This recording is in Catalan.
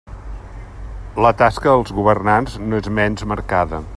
La tasca dels governants no és menys marcada.